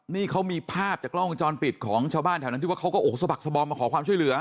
นี่เขามีภาพจากกล้องวงจรปิดของชาวบ้านแถวนั้นที่ว่าเขาก็โอ้โหสะบักสบอมมาขอความช่วยเหลือ